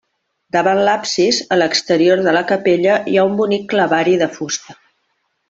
Davant l'absis, a l'exterior de la capella, hi ha un bonic clavari de fusta.